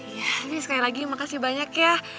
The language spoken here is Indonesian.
ini sekali lagi makasih banyak ya